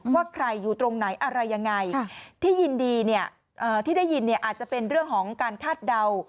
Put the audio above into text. ว่าใครอยู่ตรงไหนอะไรยังไงที่ยินดีเนี่ยที่ได้ยินเนี่ยอาจจะเป็นเรื่องของการคาดเดา